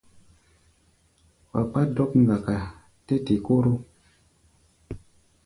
Wa kpá dɔ̌k-ŋgaka tɛ té-koro.